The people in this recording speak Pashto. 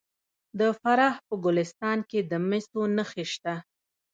د فراه په ګلستان کې د مسو نښې شته.